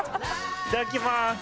いただきます！